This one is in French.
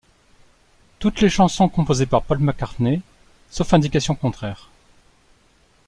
Toutes les chansons composées par Paul McCartney sauf indications contraires.